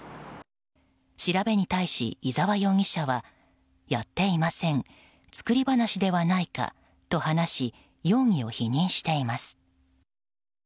調べに対し伊沢容疑者はやっていません作り話ではないかと話し容疑を否認しています。